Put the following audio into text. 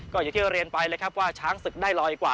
ก็อย่างที่เรียนไปเลยครับว่าช้างศึกได้ลอยกว่า